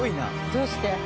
どうして？